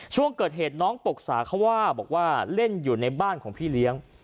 ช่วงเกิดเหตุน้องปรึกษาเขาว่าบอกว่าเล่นอยู่ในบ้านของพี่เลี้ยง